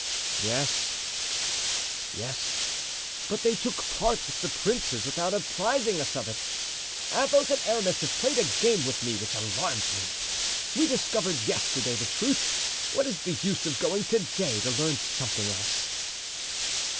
"Yes, yes, but they took part with the princes without apprising us of it. Athos and Aramis have played a game with me which alarms me. We discovered yesterday the truth; what is the use of going to day to learn something else?"